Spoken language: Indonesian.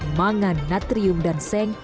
emangan natrium dan seng